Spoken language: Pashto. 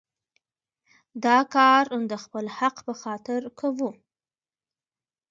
دا کار د خپل حق په خاطر کوو.